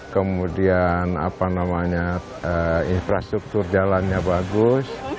kemudian apa namanya infrastruktur jalannya bagus